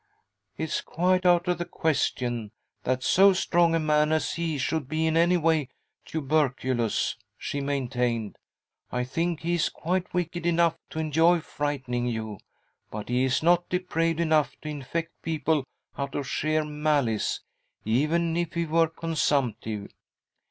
' It's quite out of the question that so strong a man as he should be in any way tuberculous,' she main tained. ' I think he is quite wicked enough to enjoy frightening yOu, but he is not depraved enough to infect people out of sheer malice, even if he were consumptive.